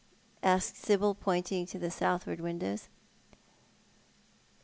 asked Sibyl, pointing to the southward "windows.